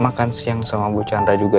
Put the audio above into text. makan siang sama bu chandra juga